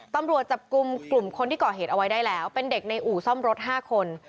ตำรวจจับกลุ่มกลุ่มคนที่ก่อเหตุเอาไว้ได้แล้วเป็นเด็กในอู่ซ่อมรถ๕คน